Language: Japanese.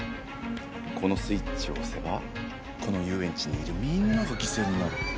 このスイッチを押せばこの遊園地にいるみんなが犠牲になる。